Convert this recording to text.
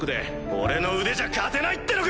俺の腕じゃ勝てないってのか！